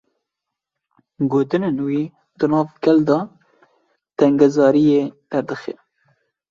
Gotinên wî, di nava gel de tengezariyê derdixe